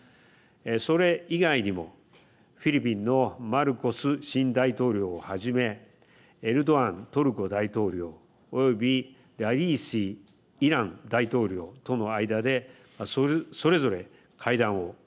それ以外にもフィリピンのマルコス新大統領をはじめエルドアントルコ大統領及びイラン大統領との間でそれぞれ会談を。